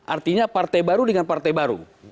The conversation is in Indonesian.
artinya partai baru dengan partai baru